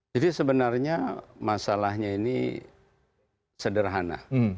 jadi sebenarnya masalahnya ini sederhana